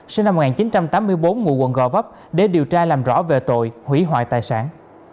sinh năm một nghìn chín trăm tám mươi bốn ngụ quận gò vấp để điều tra làm rõ về tội hủy hoại tài sản